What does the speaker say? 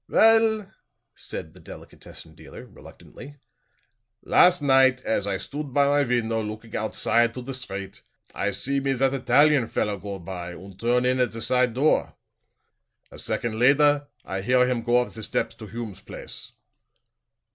"Well," said the delicatessen dealer, reluctantly, "last night as I stood by my window looking oudside on the street, I see me that Italian feller go by und turn in at the side door; a second lader I hear him go up the steps to Hume's place."